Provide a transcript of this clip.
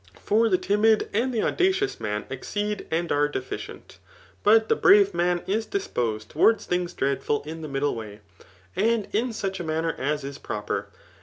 For the tindd and the audacious man exceed and are deficient ; but the brave man is diq>osed towards things dreadful in the middle way, and in such a manner as is propo*.